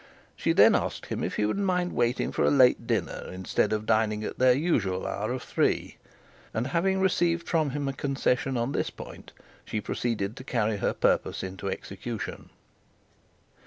She then asked if he would mind waiting for a late dinner instead of dining at their usual hour of three, and, having received from him a concession on this point, she proceeded to carry her purpose into execution.